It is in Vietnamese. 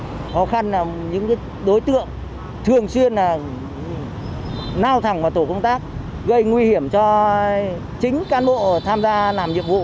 khó khăn là những đối tượng thường xuyên nao thẳng vào tổ công tác gây nguy hiểm cho chính cán bộ tham gia làm nhiệm vụ